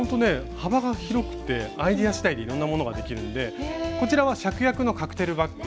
幅が広くてアイデア次第でいろんなものができるんでこちらはシャクヤクのカクテルバッグ。